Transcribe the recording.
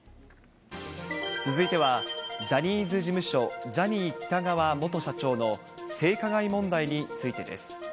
続いては、ジャニーズ事務所、ジャニー喜多川元社長の性加害問題についてです。